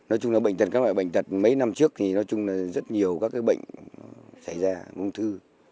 nói chung là bệnh tật các loại bệnh tật mấy năm trước thì nói chung là rất nhiều các bệnh xảy ra ung thư